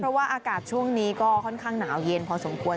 เพราะว่าอากาศช่วงนี้ก็ค่อนข้างหนาวเย็นพอสมควร